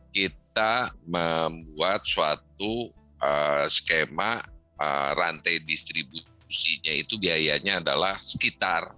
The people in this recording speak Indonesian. kita membuat suatu skema rantai distribusinya itu biayanya adalah sekitar